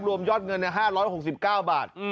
รวมยอดเงิน๕๖๙บาท